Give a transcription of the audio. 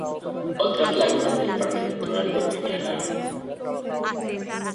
Otras lagunas del Parque Natural de Peñalara